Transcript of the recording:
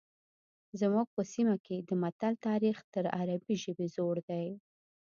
زموږ په سیمه کې د متل تاریخ تر عربي ژبې زوړ دی